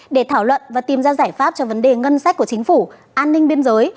để thảo luận và tìm ra giải pháp cho vấn đề ngân sách của chính phủ an ninh biên giới